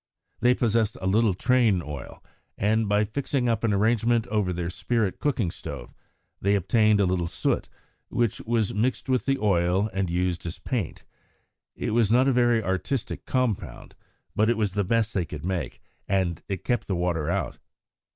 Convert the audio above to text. They possessed a little train oil, and by fixing up an arrangement over their spirit cooking stove, they obtained a little soot, which was mixed with the oil and used as paint. It was not a very artistic compound, but it was the best they could make, and it kept the water out.